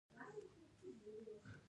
یقین ښه دی.